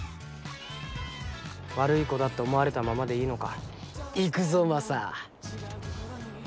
悪い子だって思われたままでいいのか？